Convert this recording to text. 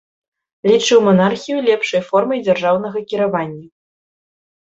Лічыў манархію лепшай формай дзяржаўнага кіравання.